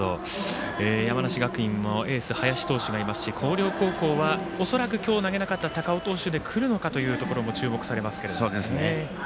山梨学院のエース林投手もいますし広陵高校は恐らく今日投げなかった高尾投手でくるのかというところも注目されますけど。